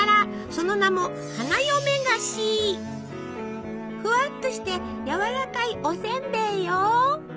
その名もふわっとしてやわらかいおせんべいよ。